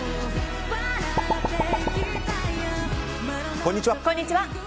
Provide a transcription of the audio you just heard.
こんにちは。